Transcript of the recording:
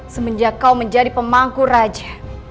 semenjak kau menjadi pemangku raja